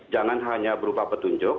jangan hanya berupa petunjuk